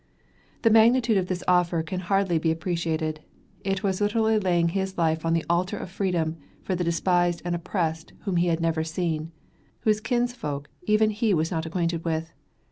The magnitude of this offer can hardly be appreciated. It was literally laying his life on the altar of freedom for the despised and oppressed whom he had never seen, whose kins folk even he was not acquainted with.